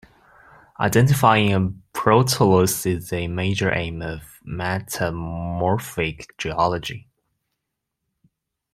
Identifying a protolith is a major aim of metamorphic geology.